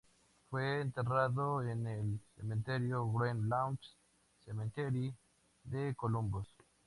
Fue enterrado en el cementerio Green Lawn Cemetery, de Columbus.